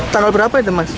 tanggal berapa itu mas